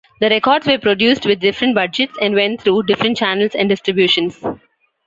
The records were produced with different budgets and went through different channels and distributions.